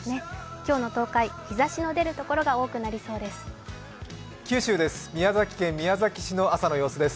今日の東海、日差しの出るところが多くなりそうです。